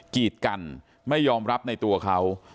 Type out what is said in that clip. กีดกันไม่ยอมรับในตัวเขา